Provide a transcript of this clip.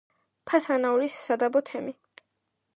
ფასანაურის სადაბო თემი.